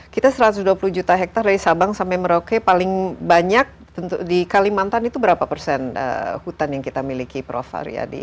kita satu ratus dua puluh juta hektare dari sabang sampai merauke paling banyak di kalimantan itu berapa persen hutan yang kita miliki prof aryadi